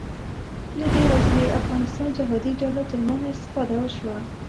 له دې وسلې افغانستان جهادي ډلو تر منځ استفاده وشوه